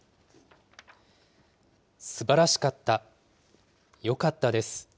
すばらしかった！よかったです。